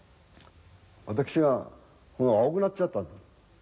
私は青くなっちゃった。